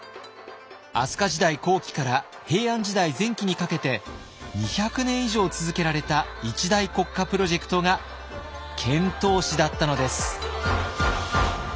飛鳥時代後期から平安時代前期にかけて２００年以上続けられた一大国家プロジェクトが遣唐使だったのです。